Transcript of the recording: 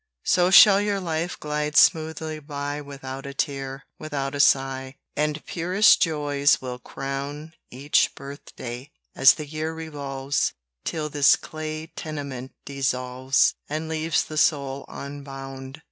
So shall your life glide smoothly by Without a tear, without a sigh, And purest joys will crown Each birthday, as the year revolves, Till this clay tenement dissolves, And leaves the soul unbound.